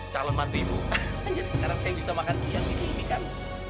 jadi sekarang saya bisa makan siang di sini kan